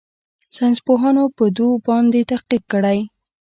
ساينسپوهانو په دو باندې تحقيق کړى.